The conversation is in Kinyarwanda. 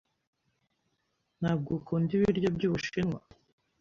Ntabwo ukunda ibiryo byubushinwa?